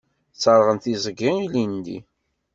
Sserɣen tiẓgi ilindi.